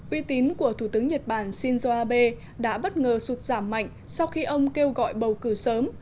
uy tín của thủ tướng nhật bản shinzo abe đã bất ngờ sụt giảm mạnh sau khi ông kêu gọi bầu cử sớm